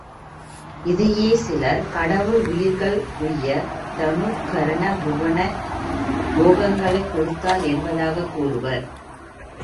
இதையே சிலர், கடவுள் உயிர்கள் உய்யத் தனு, கரண, புவன, போகங்களைக் கொடுத்தார் என்பதாகக் கூறுவர்.